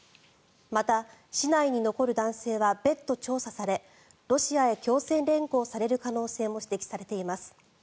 また、市内に残る男性は別途調査されロシアへ強制連行される可能性も指摘されています。